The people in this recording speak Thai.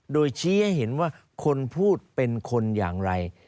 โดยชี้ให้เห็นว่าคนพูดเป็นคนอย่างไร